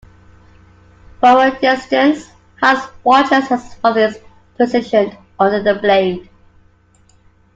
From a distance, Hans watches as his father is positioned under the blade.